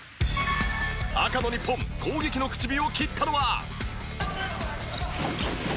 赤の日本攻撃の口火を切ったのは。